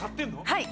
はい。